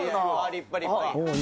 立派立派。